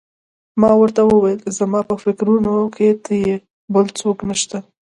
ما ورته وویل: زما په فکرونو کې ته یې، بل څوک نه شته.